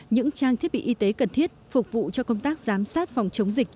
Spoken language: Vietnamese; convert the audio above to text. những trang thiết bị y tế cần thiết phục vụ cho công tác giám sát phòng chống dịch